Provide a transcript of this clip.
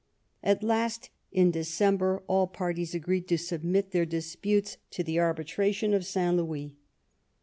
At last, in December, all parties agreed to submit their disputes to the arbitration of St. Louis.